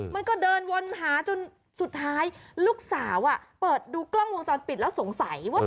มันก็เดินวนหาจนสุดท้ายลูกสาวเปิดดูกล้องวงจรปิดแล้วสงสัยว่า